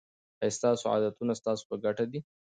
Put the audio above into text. آیا ستاسو عادتونه ستاسو په ګټه دي.